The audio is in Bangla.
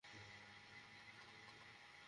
পরে বুঝিয়ে বলব।